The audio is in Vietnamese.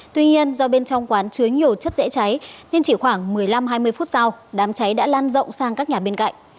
tuy nhiên do bên trong quán chứa nhiều chất dễ cháy nên chỉ khoảng một mươi năm hai mươi phút sau đám cháy đã lan rộng sang các nhà bên cạnh